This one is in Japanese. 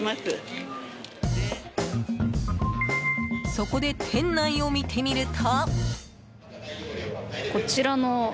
そこで店内を見てみると。